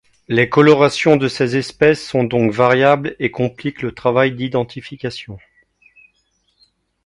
Les colorations de ces espèces sont donc variables et compliquent le travail d'identification.